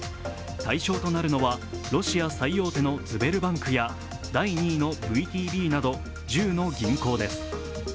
対象となるのはロシア最大手のズベルバンクや第２位のＶＴＢなど１０の銀行です。